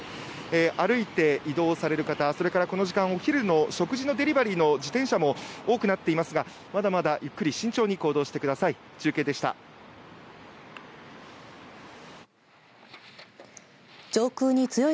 歩いて移動される方そしてこの時間お昼の食事のデリバリーも多くなっていますがまだまだゆっくり慎重に行動してください。